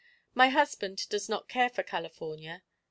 My husband does not care for California.